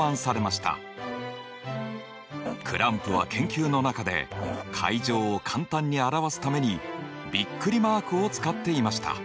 クランプは研究の中で階乗を簡単に表すためにびっくりマークを使っていました。